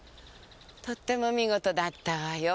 とっても見事だったわよ。